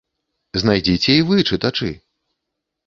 Знайдзіце і вы, чытачы.